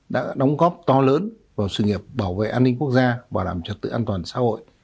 đã đóng góp to lớn vào sự nghiệp bảo vệ an ninh quốc gia bảo đảm trật tự an toàn xã hội